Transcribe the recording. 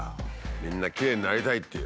みんなきれいになりたいという。